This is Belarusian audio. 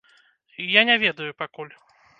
Я не ведаю пакуль.